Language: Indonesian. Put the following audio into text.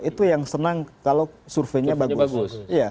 itu yang senang kalau surveinya bagus